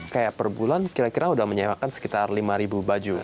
kayak per bulan kira kira udah menyewakan sekitar lima ribu baju